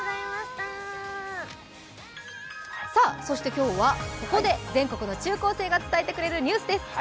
今日はここで全国の中高生が伝えてくれるニュースです。